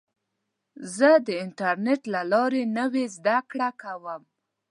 زه د انټرنیټ له لارې نوې زده کړه کوم.